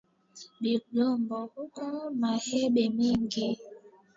Bigobo kuko mahembe mingi